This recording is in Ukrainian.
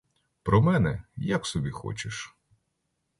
Про мене, як собі хочеш.